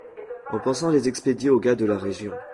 En pensant les expédier aux gars de la Région.